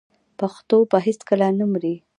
پښتو به هیڅکله نه مري.